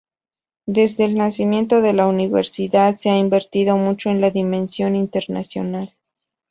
Desde el nacimiento de la Universidad se ha invertido mucho en la dimensión internacional.